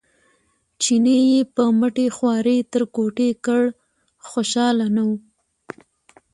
چیني یې په مټې خوارۍ تر کوټې کړ خوشاله نه و.